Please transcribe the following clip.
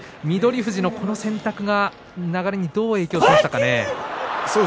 富士のこの選択が流れにどう影響しましたかね。